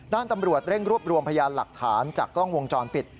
ตำรวจเร่งรวบรวมพยานหลักฐานจากกล้องวงจรปิด